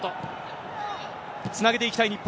つなげていきたい、日本。